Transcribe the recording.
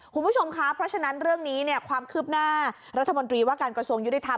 คุณผู้ชมคะเพราะฉะนั้นเรื่องนี้เนี่ยความคืบหน้ารัฐมนตรีว่าการกระทรวงยุติธรรม